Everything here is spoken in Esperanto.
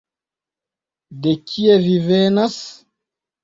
De kie vi venas?